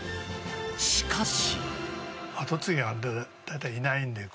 しかし。